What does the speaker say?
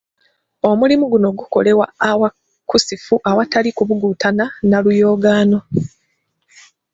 Omulimu guno gukolerwa aweekusifu, awatali kubungutana na luyogaano.